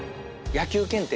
野球検定？